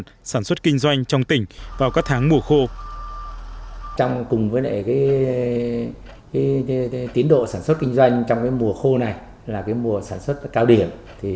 trong cùng với tiến độ sản xuất kinh doanh trong mùa khô này là mùa sản xuất cao điểm